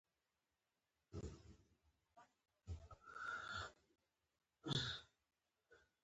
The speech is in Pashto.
چاغوالی د ناروغیو مور ده